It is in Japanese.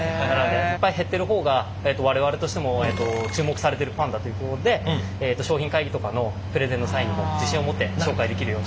減っている方が我々としても注目されているパンだということで商品会議とかのプレゼンの際にも自信を持って紹介できる。